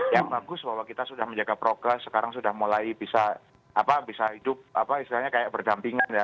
yang bagus bahwa kita sudah menjaga progres sekarang sudah mulai bisa hidup apa istilahnya kayak berdampingan ya